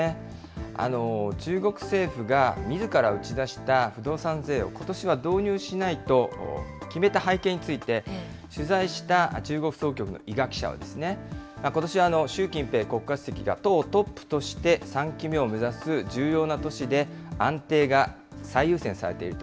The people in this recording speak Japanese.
中国政府がみずから打ち出した不動産税をことしは導入しないと決めた背景について、取材した中国総局の伊賀記者は、ことしは習近平国家主席が党トップとして３期目を目指す重要な年で、安定が最優先されている。